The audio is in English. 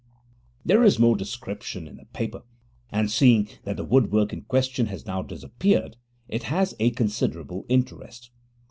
There is more description in the paper, and, seeing that the woodwork in question has now disappeared, it has a considerable interest.